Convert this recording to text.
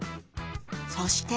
そして。